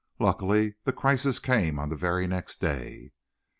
Luckily the crisis came on the very next day.